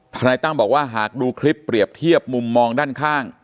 นายตั้มบอกว่าหากดูคลิปเปรียบเทียบมุมมองด้านข้าง